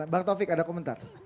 bang topik ada komentar